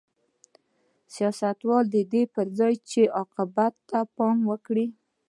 سیاستوالو د دې پر ځای چې عواقبو ته پام وکړي